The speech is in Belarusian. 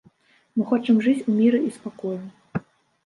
Мы хочам жыць у міры і спакою.